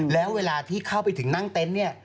แล้วเวลาที่เข้าไปถึงนั่งเต็นต์เนี่ย